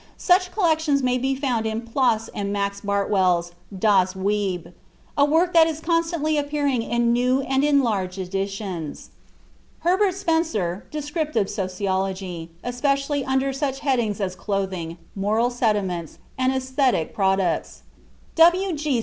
Such collections may be found in Ploss and Max Bartels Das Weib, a work that is constantly appearing in new and enlarged editions; Herbert Spencer, Descriptive Sociology (especially under such headings as "Clothing," "Moral Sentiments," and "Æsthetic Products"); W.G.